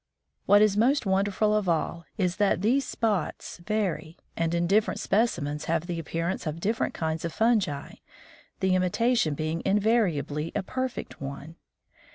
"What is most wonderful of all is that these spots vary, and in different specimens have the appearance of different kinds of fungi, the imitation being invariably a perfect one.